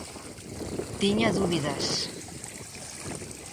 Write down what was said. Tiña dúbidas.